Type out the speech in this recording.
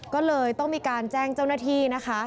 ก็เลยต้องมีการแจ้งเจ้าหน้าที่นะคะ